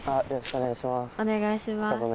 お願いします。